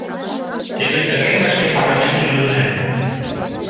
Теве тыге мый шке парымем тӱлынем.